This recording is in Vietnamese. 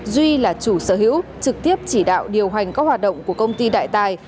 duy là chủ sở hữu trực tiếp chỉ đạo điều hành các hoạt động của công ty đại tài